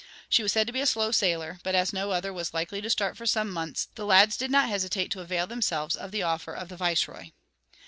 She was said to be a slow sailer, but as no other was likely to start for some months, the lads did not hesitate to avail themselves of the offer of the viceroy.